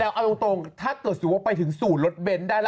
แล้วเอาตรงถ้าเกิดสิว่าไปถึงสูตรรถเบนซ์ได้แล้ว